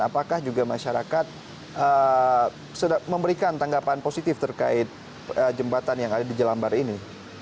apakah juga masyarakat sudah memberikan tanggapan positif terkait jembatan yang ada di jelambar ini